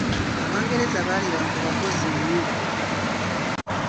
Abangereza baali bantu bakozi nnyo.